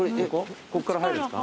こっから入るんですか？